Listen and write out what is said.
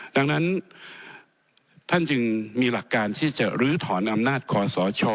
ดังนั้นท่านจึงมีหลักการที่จะลื้อถอนอำนาจคอสช